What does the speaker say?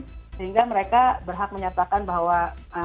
sehingga mereka berhak menyatakan bahwa